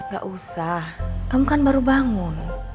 gak usah kamu kan baru bangun